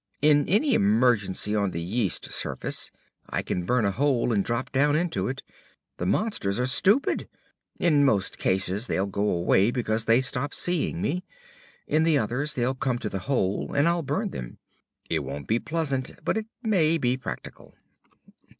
In any emergency on the yeast surface, I can burn a hole and drop down in it. The monsters are stupid. In most cases they'll go away because they stop seeing me. In the others, they'll come to the hole and I'll burn them. It won't be pleasant, but it may be practical."